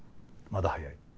まだ早い。